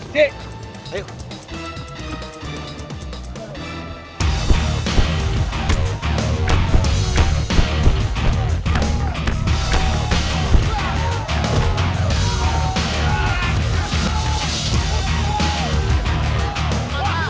tidak ada apa apa